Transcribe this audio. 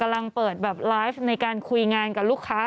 กำลังเปิดแบบไลฟ์ในการคุยงานกับลูกค้า